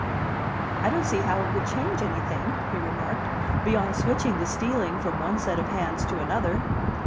"I don't see how it would change anything," he remarked, "beyond switching the stealing from one set of hands to another."